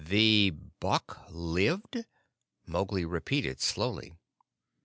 "The buck lived?" Mowgli repeated slowly.